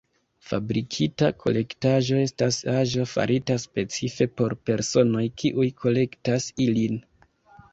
Fabrikita kolektaĵo estas aĵo farita specife por personoj kiuj kolektas ilin.